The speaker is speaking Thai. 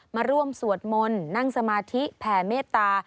มาร่วมสวดมนต์นั่งสมาธิแผ่เมตตา